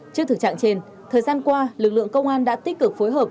trước thực trạng trên thời gian qua lực lượng công an đã tích cực phối hợp